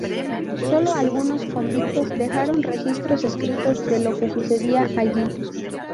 Solo algunos convictos dejaron registros escritos de lo que sucedía allí.